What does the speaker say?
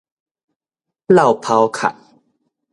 落跑殼